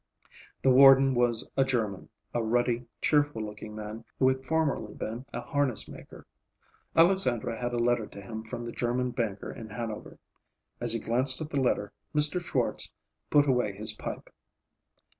The warden was a German, a ruddy, cheerful looking man who had formerly been a harness maker. Alexandra had a letter to him from the German banker in Hanover. As he glanced at the letter, Mr. Schwartz put away his pipe.